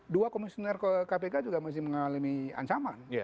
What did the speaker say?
dua komisioner kpk juga masih mengalami ancaman